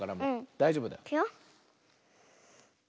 だいじょうぶだ。いくよ。